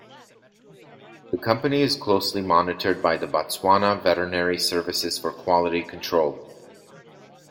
The company is closely monitored by the Botswana Veterinary Services for quality control.